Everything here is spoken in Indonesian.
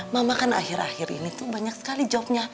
mama kan akhir akhir ini tuh banyak sekali jobnya